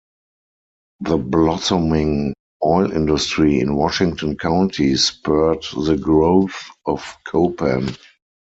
The blossoming oil industry in Washington County spurred the growth of Copan.